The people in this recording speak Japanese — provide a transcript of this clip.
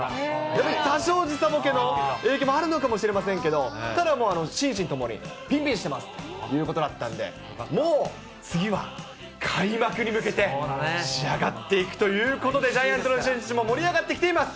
多少時差ぼけの影響もあるのかもしれませんけれども、ただもう心身ともにぴんぴんしてますということだったので、もう次は、開幕に向けて仕上がっていくということ、ジャイアンツの選手も盛り上がってきています。